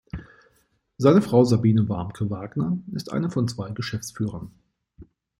Seine Frau Sabine Warmke-Wagner ist eine von zwei Geschäftsführern.